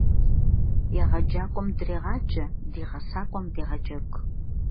Егъэджакӏуэм дрегъаджэ, ди гъэсакӏуэм дегъэджэгу.